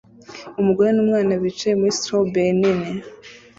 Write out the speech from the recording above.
Umugore numwana bicaye muri strawberry nini